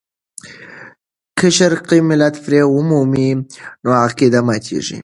که شرقي ملت بری ومومي، نو عقیده ماتېږي.